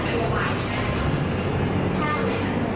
เป็นอะไรที่พลังได้